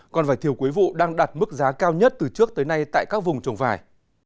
còn vải thiều quế vụ đang đạt mức giá cao nhất từ trước tới nay tại các vùng trồng vải